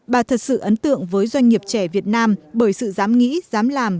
bà thật sự ấn tượng với doanh nghiệp trẻ việt nam bởi sự dám nghĩ dám làm